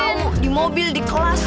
mau di mobil di kelas